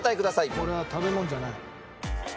これは食べ物じゃない。